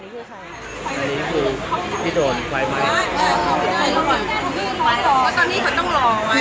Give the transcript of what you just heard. มารึ้งการภาษาเปิดตัวรวมแพ่น